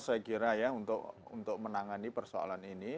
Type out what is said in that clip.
saya kira ya untuk menangani persoalan ini